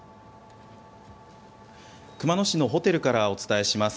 熊野市のホテルからお伝えします。